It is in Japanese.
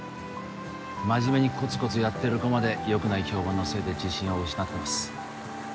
真面目にコツコツやってる子までよくない評判のせいで自信を失ってます